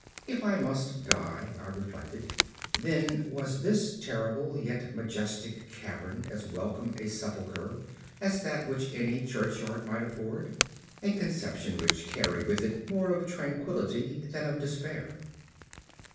If I must die, I reflected, then was this terrible yet majestic cavern as welcome a sepulchre as that which any churchyard might afford, a conception which carried with it more of tranquillity than of despair.